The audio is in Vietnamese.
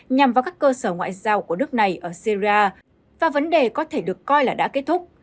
nhằm vào các cơ sở ngoại giao của nước này ở syria và vấn đề có thể được coi là đã kết thúc